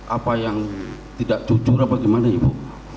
apa yang tidak jujur apa gimana ibu